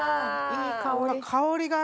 いい香り。